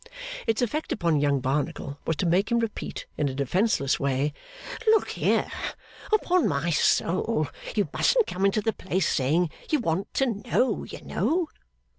Its effect upon young Barnacle was to make him repeat in a defenceless way, 'Look here! Upon my SOUL you mustn't come into the place saying you want to know, you know!